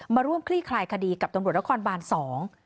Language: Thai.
มาร่วมคลี่คลายคดีกับตครบซอง